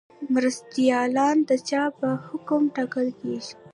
مرستیالان د چا په حکم ټاکل کیږي؟